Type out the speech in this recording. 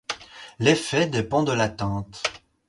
L'effet dépend de la teinte.